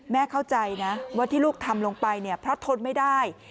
แม่เข้าใจนะว่าที่ลูกทำลงไปพระทนไม่ได้